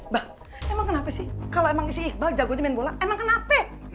bang emang kenapa sih kalau emang si iqbal jagonya main bola emang kenapa sih